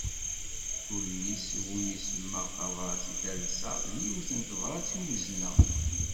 Tullist iwumi semmaɣ Tabrat i talsa, d yiwet n tebrat i uzneɣ.